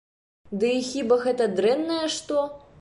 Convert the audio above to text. Ды і хіба гэта дрэннае што?